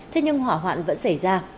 thế nhưng hỏa hoạn vẫn xảy ra